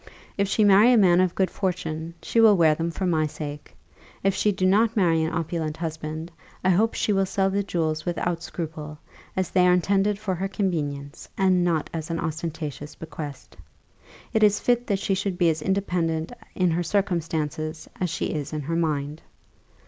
If she marry a man of good fortune, she will wear them for my sake: if she do not marry an opulent husband, I hope she will sell the jewels without scruple, as they are intended for her convenience, and not as an ostentatious bequest. It is fit that she should be as independent in her circumstances as she is in her mind."